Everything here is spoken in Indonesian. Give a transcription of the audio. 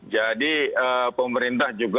jadi pemerintah juga